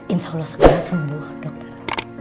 insya allah segera sembuh dokter